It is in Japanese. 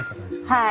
はい。